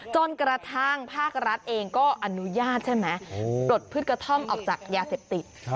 จนกระทั่งภาครัฐเองก็อนุญาตใช่ไหมปลดพืชกระท่อมออกจากยาเสพติด